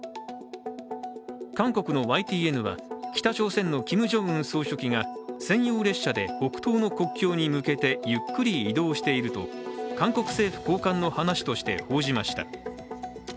韓国のＹＴＮは北朝鮮のキム・ジョンウン総書記が専用列車で北東の国境に向けゆっくり移動していると韓国政府高官の話として報じました。